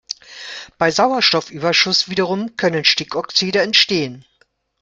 Bei Sauerstoffüberschuss wiederum können Stickoxide entstehen.